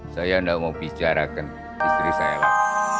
saya tidak mau bicarakan istri saya lah